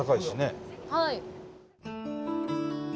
はい。